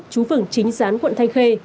trú phẩm chính sán quận thanh khê